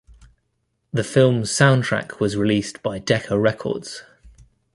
The film's soundtrack was released by Decca Records.